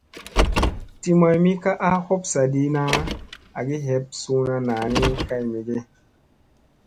Ti maymi ka a hop saaɗi na agi heeɓ suuna naa ni kay me ge ?